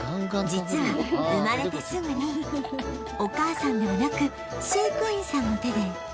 実は生まれてすぐにお母さんではなく飼育員さんの手で人工哺育に